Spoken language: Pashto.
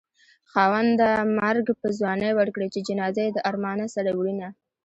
خاونده مرګ په ځوانۍ ورکړې چې جنازه يې د ارمانه سره وړينه